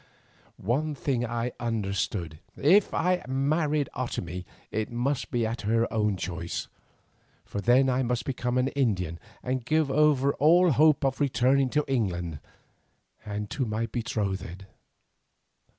One thing I understood, if I married Otomie it must be at her own price, for then I must become an Indian and give over all hope of returning to England and to my betrothed.